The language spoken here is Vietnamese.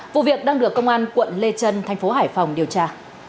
vụ việc đang được công an quận lê trân thành phố hải phòng điều tra